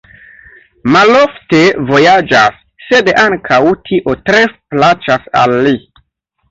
Malofte vojaĝas, sed ankaŭ tio tre plaĉas al li.